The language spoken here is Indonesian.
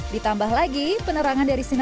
ditambah lagi penerangan dari stasiun ini